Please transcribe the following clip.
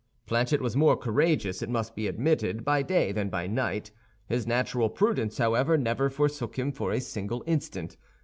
Planchet was more courageous, it must be admitted, by day than by night. His natural prudence, however, never forsook him for a single instant.